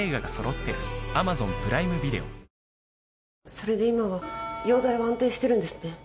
それで今は容体は安定してるんですね？